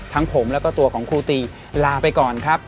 ผมแล้วก็ตัวของครูตีลาไปก่อนครับ